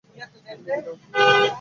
তিনি বিধবা হন।